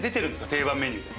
定番メニューで。